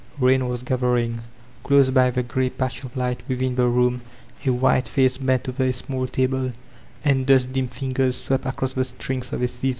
Rain was gathering. Qose by the gimy patch of light within the room a white face bent over a small table, and dust dim fingers swept across die strings of a zither.